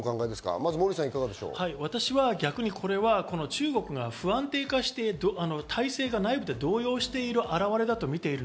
まずモー私は逆に、これは中国が不安定化して、体制が内部で動揺している表れだと見ている。